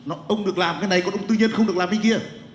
ông được làm cái này còn ông tư nhân không được làm cái kia